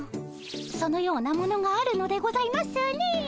そのようなものがあるのでございますねえ。